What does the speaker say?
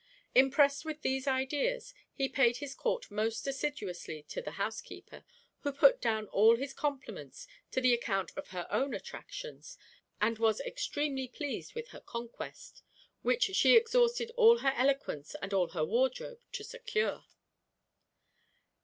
Impressed with these ideas, he paid his court most assiduously to the housekeeper, who put down all his compliments to the account of her own attractions; and was extremely pleased with her conquest; which she exhausted all her eloquence and all her wardrobe to secure.